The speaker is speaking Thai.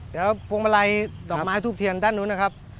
เดี๋ยวพวงมาลัยดอกไม้ทูบเทียนด้านนู้นนะครับ